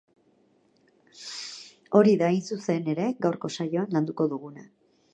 Hori da hain zuzen ere gaurko saioan landuko duguna.